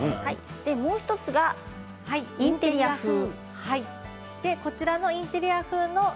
もう１つがインテリア風。